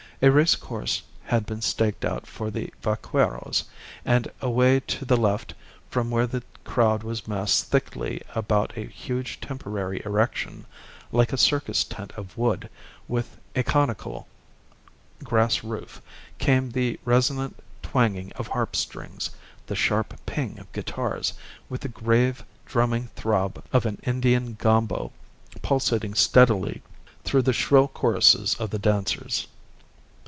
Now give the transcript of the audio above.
A racecourse had been staked out for the vaqueros; and away to the left, from where the crowd was massed thickly about a huge temporary erection, like a circus tent of wood with a conical grass roof, came the resonant twanging of harp strings, the sharp ping of guitars, with the grave drumming throb of an Indian gombo pulsating steadily through the shrill choruses of the dancers.